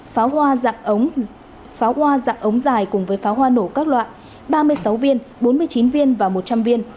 pháo hoa dạng ống dài cùng với pháo hoa nổ các loại ba mươi sáu viên bốn mươi chín viên và một trăm linh viên